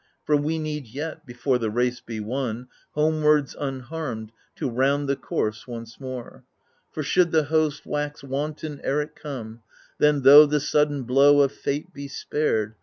For we need yet, before the race be won. Homewards, unharmed, to round the course once more. For should the host wax wanton ere it come. Then, tho' the sudden blow of fate be spared.